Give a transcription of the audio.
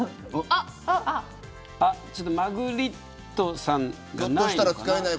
ちょっとマグリットさんがない。